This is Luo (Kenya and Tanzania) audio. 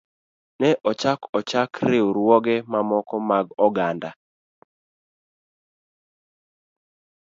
Ne ochak ochak riwruoge mamoko mag oganda.